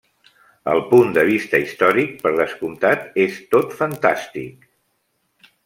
El punt de vista històric, per descomptat, és tot fantàstic.